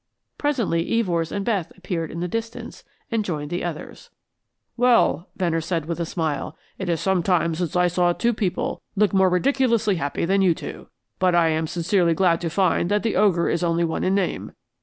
Presently Evors and Beth appeared in the distance and joined the others. "Well," Venner said with a smile, "it is some time since I saw two people look more ridiculously happy than you two. But I am sincerely glad to find that the ogre is only one in name.